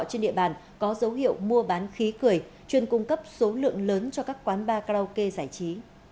trên địa bàn có dấu hiệu mua bán khí cười chuyên cung cấp số lượng lớn cho các quán bar karaoke giải trí